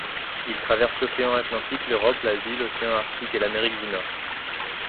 Il traverse l'océan Atlantique, l'Europe, l'Asie, l'océan Arctique et l'Amérique du Nord.